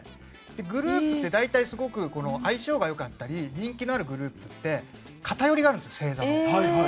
グループって大体相性が良かったり人気があるグループって偏りがあるんです、星座が。